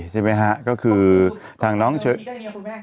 ใช่ไหมฮะก็คือทางน้อง